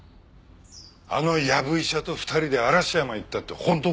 あのヤブ医者と２人で嵐山行ったって本当か？